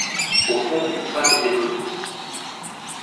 Au fond, une femme était blottie.